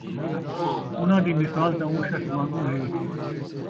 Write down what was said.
اُنھاں دِی مثال تاں اُوں شخص وَانگوں ہے